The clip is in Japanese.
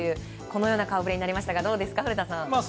このような顔ぶれとなりましたがどうですか、古田さん。